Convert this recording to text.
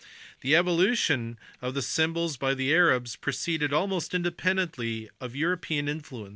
t The evolution of the symbols by the Arabs proceeded almost independently of European influence.